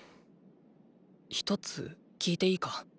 ひとつ聞いていいか？